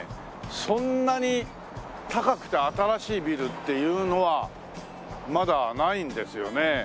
そんなに高くて新しいビルっていうのはまだないんですよね。